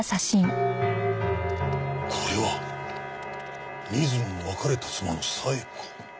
これは水野の別れた妻の冴子。